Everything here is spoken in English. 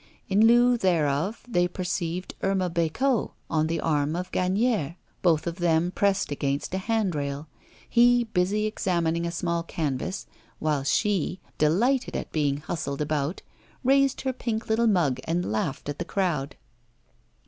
In lieu thereof they perceived Irma Bécot on the arm of Gagnière, both of them pressed against a hand rail, he busy examining a small canvas, while she, delighted at being hustled about, raised her pink little mug and laughed at the crowd.